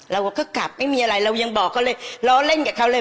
เราก็กลับไม่มีอะไรเรายังบอกเขาเลยล้อเล่นกับเขาเลย